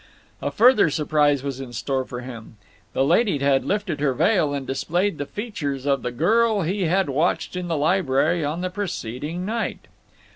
A further surprise was in store for him. The lady had lifted her veil and displayed the features of the girl he had watched in the library on the preceding night.